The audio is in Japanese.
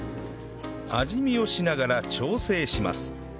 味見をしながら調整します